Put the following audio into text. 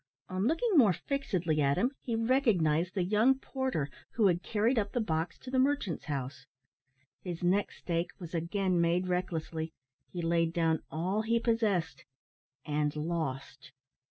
On looking more fixedly at him, he recognised the young porter who had carried up the box to the merchant's house. His next stake was again made recklessly. He laid down all he possessed and lost.